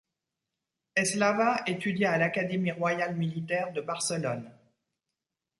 Eslava étudia à l'Académie royale militaire de Barcelone.